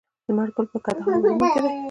لمر ګل په کندهار او هلمند کې دی.